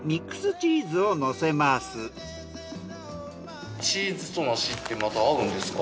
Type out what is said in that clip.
チーズと梨ってまた合うんですか？